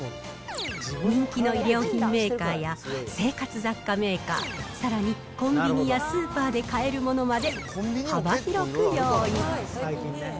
人気の衣料品メーカーや、生活雑貨メーカー、さらにコンビニやスーパーで買えるものまで、幅広く用意。